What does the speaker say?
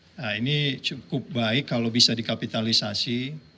nah ini cukup baik kalau bisa dikapitalisasi